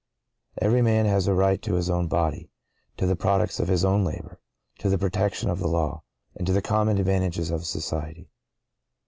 Every man has a right to his own body—to the products of his own labor—to the protection of the law—and to the common advantages of society.